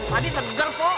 tadi seger pok